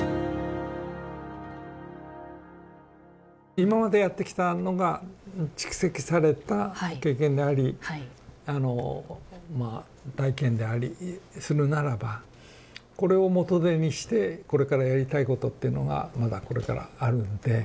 今までやってきたのが蓄積された経験でありあのまあ体験でありするならばこれを元手にしてこれからやりたいことっていうのがまだこれからあるんで。